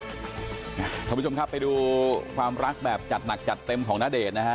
คุณผู้ชมครับไปดูความรักแบบจัดหนักจัดเต็มของณเดชน์นะฮะ